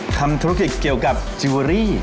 ทำธุรกิจเกี่ยวกับจิลเวอรี่